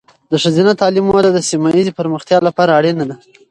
د ښځینه تعلیم وده د سیمه ایزې پرمختیا لپاره اړینه ده.